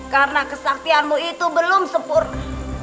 karena kesaktianmu itu belum sempurna